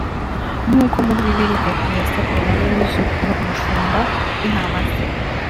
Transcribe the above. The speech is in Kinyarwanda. nk’uko muri bibiliya Petero yasabwe na Yezu kuba umushumba w’intama ze